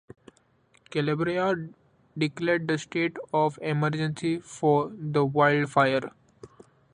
Calabria declared the state of emergency for the wildfire.